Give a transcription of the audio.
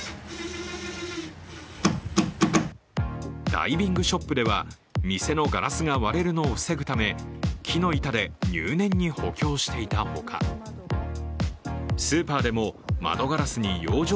ダイビングショップでは店のガラスが割れるのを防ぐため木の板で入念に補強していたほかスーパーでも窓ガラスに養生